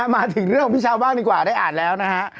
มาถึงเรื่องของพี่เช้าบ้างดีกว่าได้อ่านแล้วนะฮะ